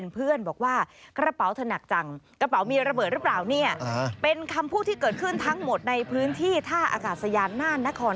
เป็นคำพูดที่เกิดขึ้นทั้งหมดในพื้นที่ท่าอากาศยานน่านนคร